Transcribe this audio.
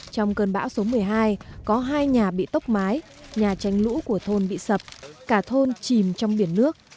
trong cơn bão số một mươi hai có hai nhà bị tốc mái nhà tranh lũ của thôn bị sập cả thôn chìm trong biển nước